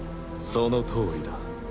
そのとおりだ。